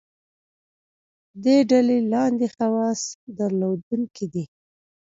دې ډلې لاندې خواص درلودونکي دي.